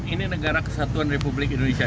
ini negara kesatuan republik indonesia